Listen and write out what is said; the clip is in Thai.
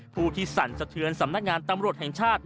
ผู้ที่สั่นสะเทือนสำนักงานตำรวจแห่งชาติ